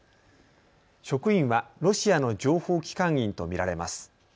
職員はロシアの情報機関員と見られます。